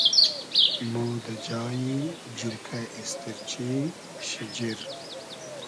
مۉ دۂ جایی جیرکۂ اېستیرچی, شیجیر